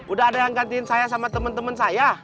udah ada yang gantiin saya sama temen temen saya